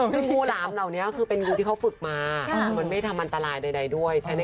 ซึ่งงูหลามเหล่านี้คือเป็นงูที่เขาฝึกมามันไม่ทำอันตรายใดด้วย